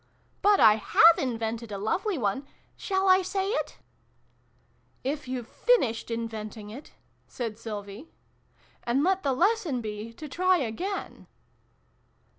" But I have invented a lovely one ! Shall I say it ?"" If you've finished inventing it," said Syl vie. " And let the Lesson be ' to try again